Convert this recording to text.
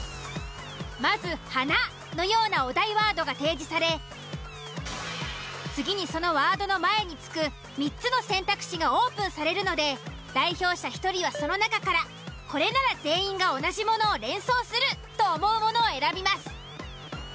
まず「花」のようなお題ワードが提示され次にそのワードの前に付く３つの選択肢がオープンされるので代表者１人はその中からこれなら全員が同じものを連想すると思うものを選びます。